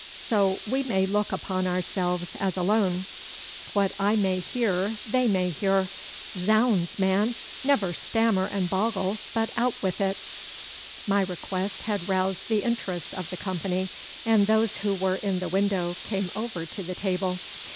So we may look upon ourselves as alone. What I may hear they may hear. Zounds, man, never stammer and boggle, but out with it!' My request had roused the interest of the company, and those who were in the window came over to the table.